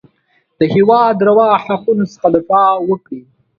د هېواد روا حقونو څخه دفاع وکړي.